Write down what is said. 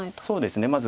そうですね。